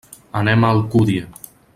Anem a Alcúdia.